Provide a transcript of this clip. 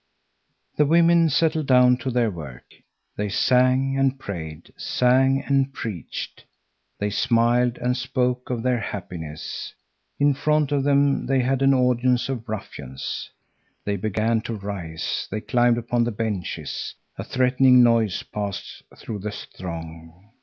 The women settled down to their work. They sang and prayed, sang and preached. They smiled and spoke of their happiness. In front of them they had an audience of ruffians. They began to rise, they climbed upon the benches. A threatening noise passed through the throng.